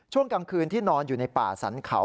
ช่วงกลางคืนที่นอนอยู่ในป่าสรรเขา